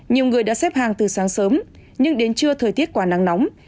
nhiều người đã xếp hàng từ sáng sớm nhưng đến trưa thời tiết quá nắng nóng